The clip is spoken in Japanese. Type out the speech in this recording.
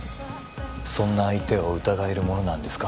そんな相手を疑えるものなんですか？